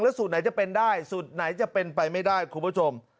สูตรไหนจะเป็นได้สูตรไหนจะเป็นไปไม่ได้คุณผู้ชม